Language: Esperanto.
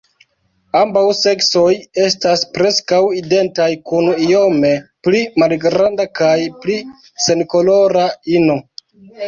Ambaŭ seksoj estas preskaŭ identaj kun iome pli malgranda kaj pli senkolora ino.